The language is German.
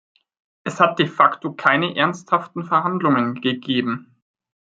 Es hat de facto keine ernsthaften Verhandlungen gegeben.